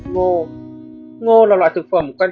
bốn ngô ngô là loại thực phẩm canh